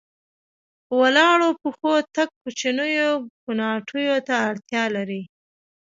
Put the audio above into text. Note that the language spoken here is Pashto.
په ولاړو پښو تګ کوچنیو کوناټیو ته اړتیا لرله.